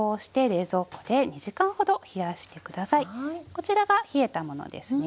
こちらが冷えたものですね。